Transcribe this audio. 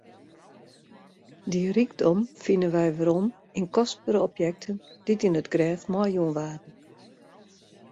Dy rykdom fine wy werom yn kostbere objekten dy't yn it grêf meijûn waarden.